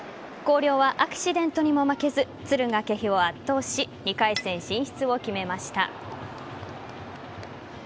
広陵は、アクシデントにも負けず敦賀気比を圧倒し２回戦進出を決めました。